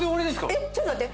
えっちょっと待って。